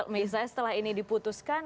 misalnya setelah ini diputuskan